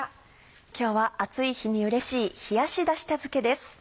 今日は暑い日にうれしい「冷やしだし茶漬け」です。